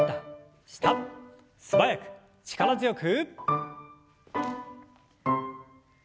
素早く力強く。